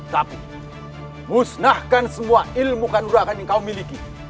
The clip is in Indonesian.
tapi musnahkan semua ilmu kanurakan yang kau miliki